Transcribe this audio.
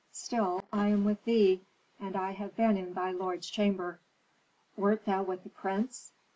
Still I am with thee, and I have been in thy lord's chamber." "Wert thou with the prince?"